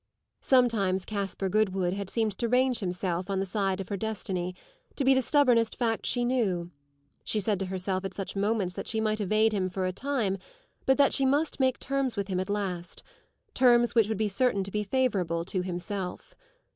Sometimes Caspar Goodwood had seemed to range himself on the side of her destiny, to be the stubbornest fact she knew; she said to herself at such moments that she might evade him for a time, but that she must make terms with him at last terms which would be certain to be favourable to himself.